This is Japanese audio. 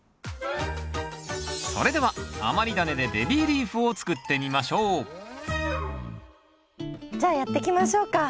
それでは余りダネでベビーリーフを作ってみましょうじゃあやっていきましょうか。